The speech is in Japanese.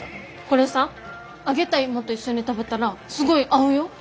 これさ揚げた芋と一緒に食べたらすごい合うよ？